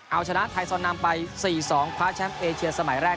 เอาชนะไทยสอนามไปสี่สองพลาสแชมป์เอเชียสมัยแรก